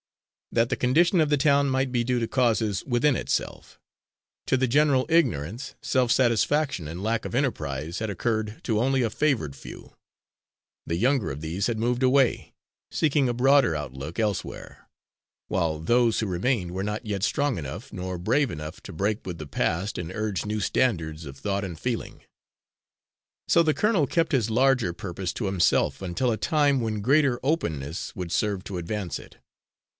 That the condition of the town might be due to causes within itself to the general ignorance, self satisfaction and lack of enterprise, had occurred to only a favoured few; the younger of these had moved away, seeking a broader outlook elsewhere; while those who remained were not yet strong enough nor brave enough to break with the past and urge new standards of thought and feeling. So the colonel kept his larger purpose to himself until a time when greater openness would serve to advance it.